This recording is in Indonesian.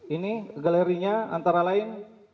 ini galerinya antara lain